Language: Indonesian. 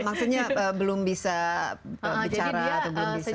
maksudnya belum bisa bicara atau belum bisa